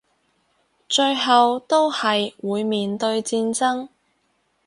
最後都係會面對戰爭